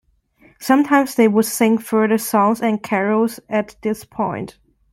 Sometimes they would sing further songs and carols at this point.